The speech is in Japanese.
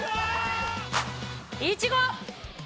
イチゴ！